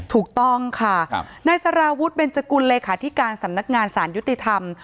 ถูกต้องค่ะนายสารวุฒิเบนจกุลเลขาธิการสำนักงานสารยุติธรรม